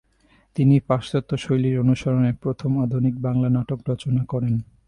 তিনি পাশ্চাত্য শৈলীর অনুসরণে প্রথম আধুনিক বাংলা নাটক রচনা করেন।